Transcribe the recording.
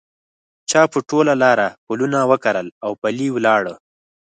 چا په ټول لاره پلونه وکرل اوپلي ولاړه